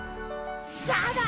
じゃあな！